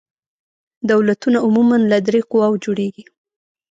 دولتونه عموماً له درې قواوو جوړیږي.